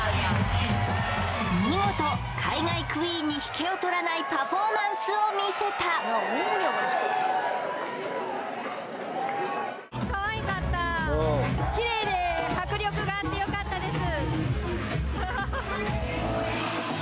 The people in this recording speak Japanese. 見事海外クイーンに引けを取らないパフォーマンスを見せたよかったです